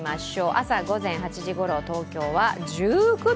朝午前９時ごろ東京は１９度！